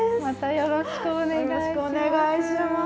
よろしくお願いします。